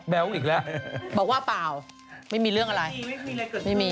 บอกว่าเปล่าไม่มีเรื่องอะไร